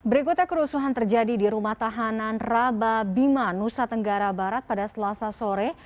berikutnya kerusuhan terjadi di rumah tahanan rababima nusa tenggara barat pada selasa sore